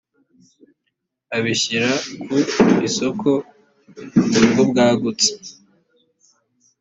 abishyira ku isoko ku buryo bwagutse